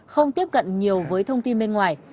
không tiếp cận nhiều với thông tin bên ngoài